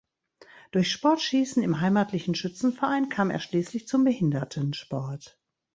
Durch Sportschießen im heimatlichen Schützenverein kam er schließlich zum Behindertensport.